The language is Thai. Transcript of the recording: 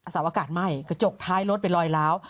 สาวอากาศไหม้กระจกท้ายรถเป็นรอยล้าว